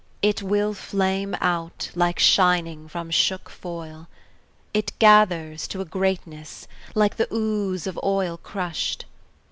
It will flame out, like shining from shook foil; It gathers to a greatness, like the ooze of oil Crushed.